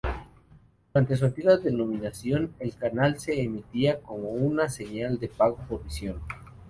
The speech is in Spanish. Durante su antigua denominación, el canal se emitía como una señal pago por visión.